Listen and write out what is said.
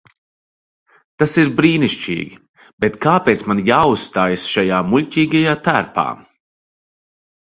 Tas ir brīnišķīgi, bet kāpēc man jāuzstājas šajā muļķīgajā tērpā?